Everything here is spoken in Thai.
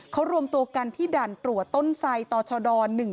เขารวมตัวกันที่ด่านตรวจต้นไซดชด๑๔